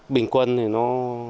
bình quân thì nó